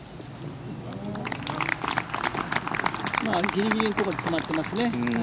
ギリギリのところで止まっていますね。